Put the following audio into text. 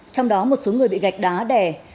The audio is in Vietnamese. trong đó một số người bị gạch đá đè